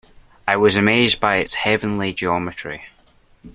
I was amazed by its heavenly geometry.